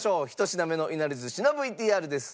１品目のいなり寿司のＶＴＲです。